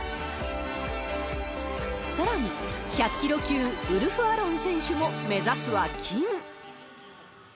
さらに、１００キロ級、ウルフアロン選手も目指すは金。